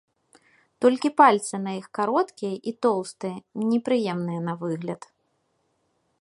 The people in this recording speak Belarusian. Толькі пальцы на іх кароткія і тоўстыя, непрыемныя на выгляд.